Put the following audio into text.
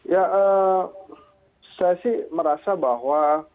ya saya sih merasa bahwa